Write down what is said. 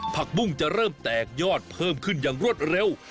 ผักบุ้งจะเริ่มแตกยอดเพิ่มขึ้นอย่างรวดเร็ว